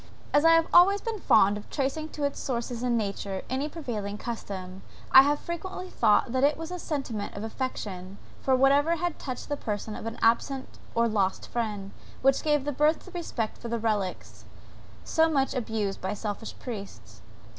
As I have always been fond of tracing to its source in nature any prevailing custom, I have frequently thought that it was a sentiment of affection for whatever had touched the person of an absent or lost friend, which gave birth to that respect for relics, so much abused by selfish priests.